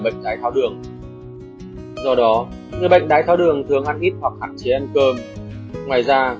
bệnh đái tháo đường do đó người bệnh đái tháo đường thường ăn hít hoặc hạn chế ăn cơm ngoài ra